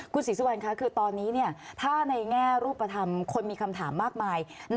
คุณศรีสุวรรณค่ะคือตอนนี้ถ้าในแง่รูปธรรมคนมีคำถามมากมาย